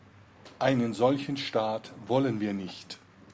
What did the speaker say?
Einen solchen Staat wollen wir nicht.